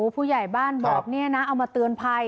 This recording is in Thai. ผู้ใหญ่บ้านบอกนี่นะเอามาเตือนภัย